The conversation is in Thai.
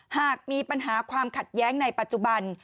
หากมีปัญหาความขัดแย้งในปัจจุบัน